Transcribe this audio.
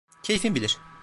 Keyfin bilir.